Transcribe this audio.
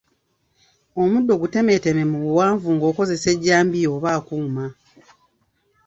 Omuddo gutemeeteme mu buwanvu ng’okozesa ejjambiya oba akuuma.